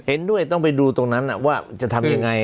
เห็นด้วยต้องไปดูตรงนั้นว่าจะทำยังไง